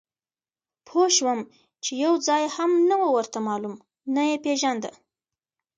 پوه شوم چې یو ځای هم نه و ورته معلوم، نه یې پېژانده.